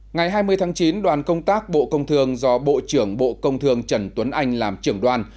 ngày hai mươi tháng chín đoàn công tác bộ công thương do bộ trưởng bộ công thương trần tuấn anh làm trưởng đoàn